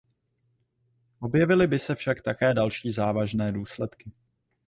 Objevily by se však také další závažné důsledky.